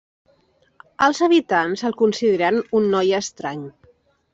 Els habitants el consideren un noi estrany.